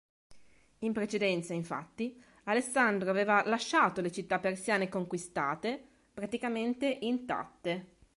In precedenza infatti Alessandro aveva lasciato le città persiane conquistate praticamente intatte.